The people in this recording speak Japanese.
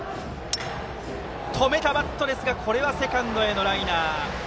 止めたバットですがセカンドライナー。